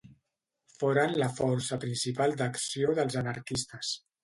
Foren la força principal d'acció dels anarquistes.